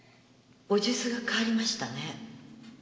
お数珠が変わりましたね？